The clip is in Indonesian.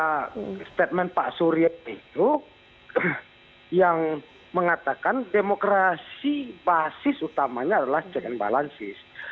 karena statement pak surya itu yang mengatakan demokrasi basis utamanya adalah check and balances